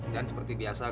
dan seperti biasa